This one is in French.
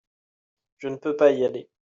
je ne peux pas y aller.